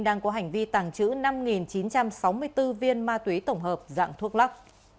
đang có hành vi tàng trữ năm chín trăm sáu mươi bốn viên ma túy tổng hợp dạng thuốc lắc